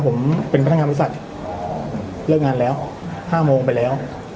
ผมเป็นพนักงานบริษัทเลิกงานแล้ว๕โมงไปแล้ว